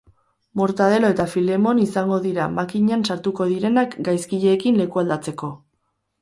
Mortadelo eta Filemon izango dira makinan sartuko direnak gaizkileekin lekualdatzeko.